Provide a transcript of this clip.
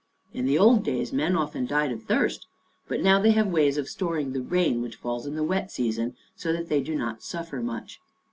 In the old days men often died of thirst, but now they have ways of storing the rain which falls in the wet season so that they do not suffer much.